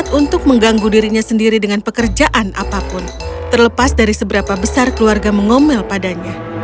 terlepas dari seberapa besar keluarga mengomel padanya